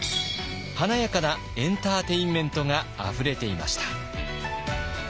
華やかなエンターテインメントがあふれていました。